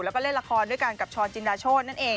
แล้วก็เล่นละครด้วยกันกับช้อนจินดาโชธนั่นเอง